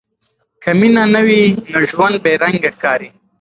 که مینه نه وي، نو ژوند بې رنګه ښکاري.